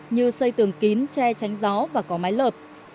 như xây tường kín che tránh gió và có máy lợp